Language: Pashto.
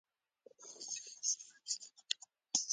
دا لوګي الوتکو ته د بمبارۍ سګنال ورکړ